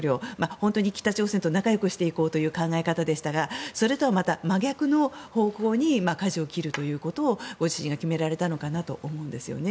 本当に北朝鮮と仲よくしていこうという考え方でしたがそれとは真逆の方向にかじを切るということをご自身が決められたのかなと思うんですよね。